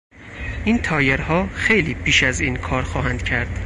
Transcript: این تایرها خیلی بیش از این کار خواهند کرد.